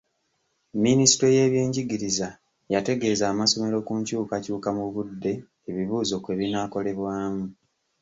Minisitule y'ebyenjigiriza yategeeza amasomero ku nkyukakyuka mu budde ebibuuzo kwe binaakolebwamu.